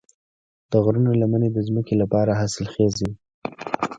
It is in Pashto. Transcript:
د غرونو لمنې د ځمکې لپاره حاصلخیزې وي.